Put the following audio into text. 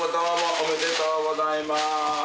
おめでとうございます。